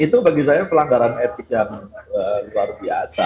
itu bagi saya pelanggaran etik yang luar biasa